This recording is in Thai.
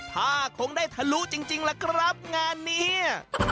ผ้าคงได้ทะลุจริงล่ะครับงานเนี่ย